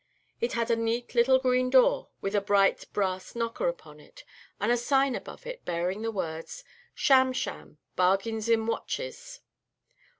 It had a neat little green door, with a bright brass knocker upon it, and a sign above it, bearing the words: "SHAM SHAM: BARGAINS IN WATCHES."